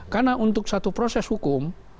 karena untuk satu proses hukum